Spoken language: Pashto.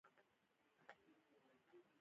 چې دومره لويه دوکه دې راسره سوې وي.